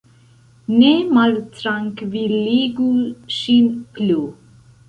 Ne maltrankviligu ŝin plu!